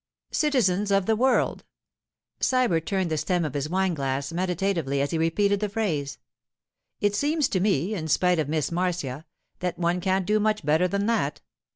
'Citizens of the world,' Sybert turned the stem of his wine glass meditatively as he repeated the phrase. 'It seems to me, in spite of Miss Marcia, that one can't do much better than that.